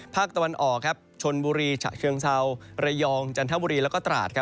ภาคตะวันอ่อชนบุรีฉะเคืองเทาระยองจันทบุรีและตราส